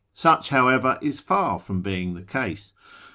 Such, however, is far from being the case.